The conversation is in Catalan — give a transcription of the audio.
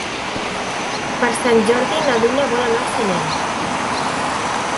Per Sant Jordi na Duna vol anar al cinema.